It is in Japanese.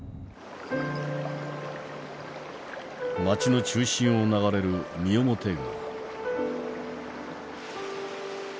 町の中心を流れる三面川。